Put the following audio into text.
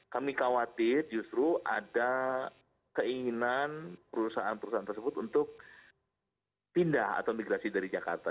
kami khawatir justru ada keinginan perusahaan perusahaan tersebut untuk pindah atau migrasi dari jakarta